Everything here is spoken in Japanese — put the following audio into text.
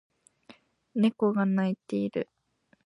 猫が鳴いている